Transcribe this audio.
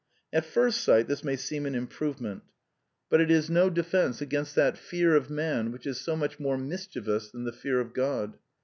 At first sight this may seem an improvement; 68 The Quintessence of Ibsenism but it is no defence against that fear of man which is so much more mischievous than the fear of God.